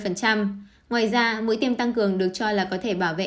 ngoài ra mũi tiêm tăng cường được cho là có thể bảo vệ năm mươi tám mươi